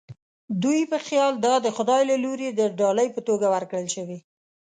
دوی په خیال دا د خدای له لوري د ډالۍ په توګه ورکړل شوې.